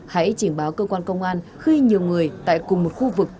hãy trình báo cơ quan công an khi nhiều người tại cùng một khu vực